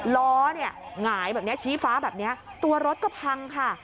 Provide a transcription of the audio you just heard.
ล้อเนี่ยหงายแบบนี้ชี้ฟ้าแบบนี้ตัวรถก็พังค่ะ